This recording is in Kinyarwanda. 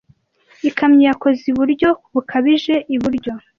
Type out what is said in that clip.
Ikamyo yakoze iburyo bukabije iburyo.